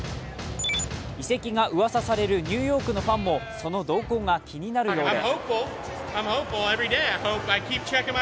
移籍がうわさされるニューヨークのファンもその動向が気になるようで